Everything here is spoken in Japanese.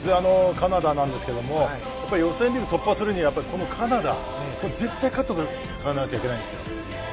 カナダなんですけど予選リーグを突破するにはこのカナダに絶対に勝っておかなきゃいけないんですよ。